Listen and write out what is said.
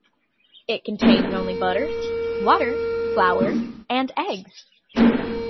It contains only butter, water, flour and eggs.